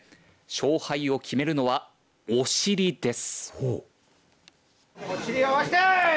勝敗を決めるのはお尻です。